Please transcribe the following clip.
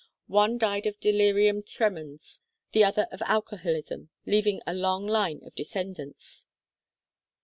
One died of delirium tremens, the other of alcoholism, leaving a long line of descendants.